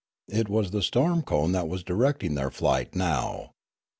It was the storm cone that was directing their flight now.